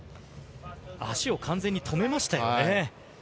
足を完全に止めましたよね。